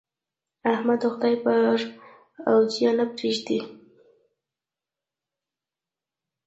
احمد د خدای پر اوېجه نه پرېږدي.